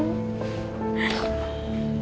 ya itu soal biaya